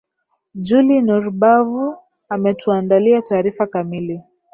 juli nur bavu ametuandalia taarifa kamili